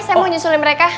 saya mau nyusulin mereka